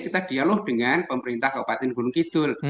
kita dialog dengan pemerintah kabupaten gunung kidul